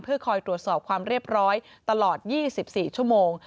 คอยตรวจสอบความเรียบร้อยตลอด๒๔ชั่วโมง